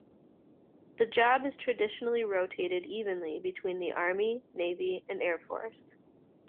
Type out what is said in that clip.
The job is traditionally rotated evenly between the army, navy and air force.